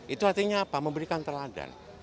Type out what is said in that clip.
itu artinya apa memberikan teladan